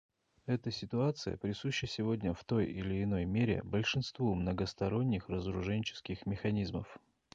Эта ситуация присуща сегодня в той или иной мере большинству многосторонних разоруженческих механизмов.